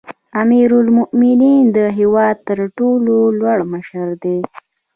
امیرالمؤمنین د هیواد تر ټولو لوړ مشر دی